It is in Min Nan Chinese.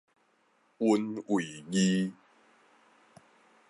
勻位字